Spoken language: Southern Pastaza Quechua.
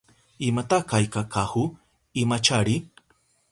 ¿Imata kayka kahu? Imachari.